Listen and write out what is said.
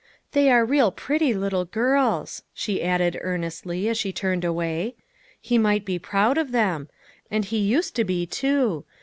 " They are real pretty little girls," she added earnestly, as she turned away. "He might be proud of them. And he used to be, too.